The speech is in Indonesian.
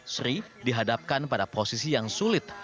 sri dihadapkan pada posisi yang sulit